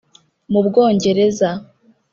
mu bwongereza